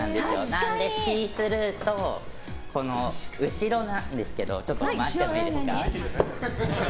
なので、シースルーと後ろなんですけど回していいですか。